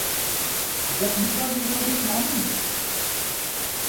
Just because you wrote this morning?